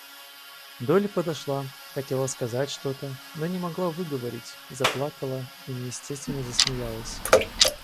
Долли подошла, хотела сказать что-то, но не могла выговорить, заплакала и неестественно засмеялась.